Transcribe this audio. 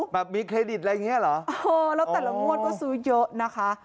แบบมีเครดิตอะไรอย่างเงี้เหรอเออแล้วแต่ละงวดก็ซื้อเยอะนะคะ